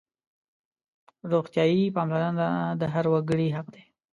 روغتیايي پاملرنه د هر وګړي حق دی.